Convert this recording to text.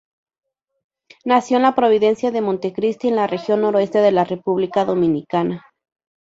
Nació en la provincia de Montecristi, en la región noroeste de la República Dominicana.